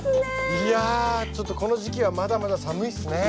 いやこの時期はまだまだ寒いっすね。